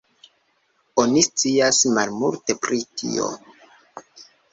Oni scias malmulte pri tio.